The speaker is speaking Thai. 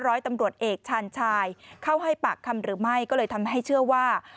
ร้อยตำรวจเอกชาญชายเข้าให้ปากคำหรือไม่ก็เลยทำให้เชื่อว่า